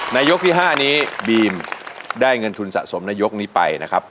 ยกที่๕นี้บีมได้เงินทุนสะสมในยกนี้ไปนะครับ